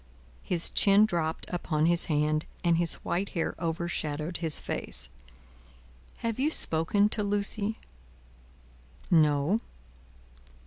His chin dropped upon his hand, and his white hair overshadowed his face: "Have you spoken to Lucie?" "No."